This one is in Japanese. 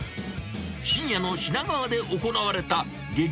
深夜の品川で行われた激